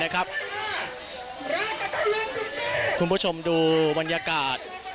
คุณผู้ชมดูบรรยากาศ